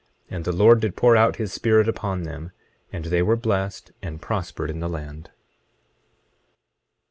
And the Lord did pour out his Spirit upon them, and they were blessed, and prospered in the land.